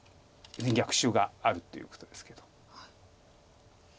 逆襲があるということですけど。